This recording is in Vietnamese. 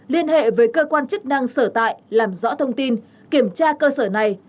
liên hệ với cơ quan chức năng sở tại làm rõ thông tin kiểm tra cơ sở này